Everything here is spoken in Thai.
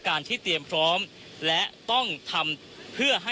คุณทัศนาควดทองเลยค่ะ